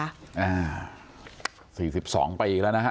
อ่า๔๒ปีไปอีกแล้วนะคะ